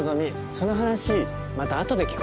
その話またあとで聞こうかな。